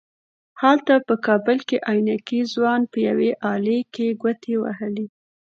هلته په کابل کې عينکي ځوان په يوې آلې کې ګوتې وهلې.